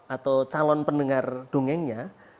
atau calon pendengar dungengnya